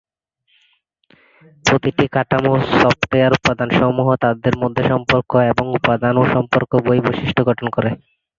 প্রতিটি কাঠামো সফটওয়্যার উপাদান সমূহ, তাদের মধ্যে সম্পর্ক, এবং উপাদান ও সম্পর্ক উভয়ের বৈশিষ্ট্য গঠন করে।